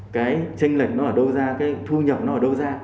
cái tranh lệch nó ở đâu ra cái thu nhập nó ở đâu ra